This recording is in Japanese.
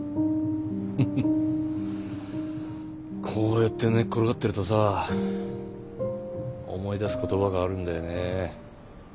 フフッこうやって寝っ転がってるとさ思い出す言葉があるんだよねえ。